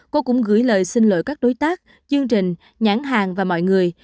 cô cũng gửi lời xin lỗi các đối tác chương trình nhãn hàng và mọi người